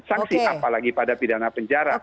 saksi apalagi pada pidana penjara